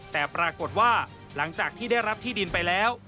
แต่ปรากฏว่าหลังจากที่ได้รับที่ดินไปแล้ว